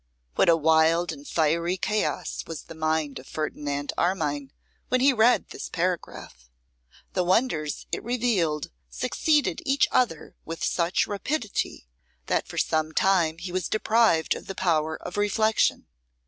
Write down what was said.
What a wild and fiery chaos was the mind of Ferdinand Armine when he read this paragraph. The wonders it revealed succeeded each other with such rapidity that for some time he was deprived of the power of reflection.